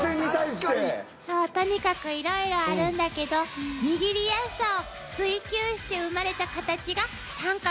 とにかくいろいろあるんだけど握りやすさを追求して生まれたカタチが三角。